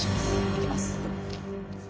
いきます。